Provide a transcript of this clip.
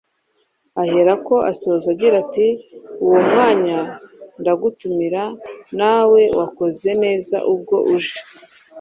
aherako asoza agira ati: “Uwo mwanya ndagutumira, nawe wakoze neza ubwo uje.